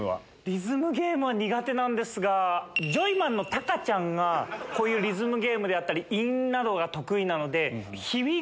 リズムゲームは苦手なんですがジョイマンの高ちゃんがリズムゲームであったり韻などが得意なので。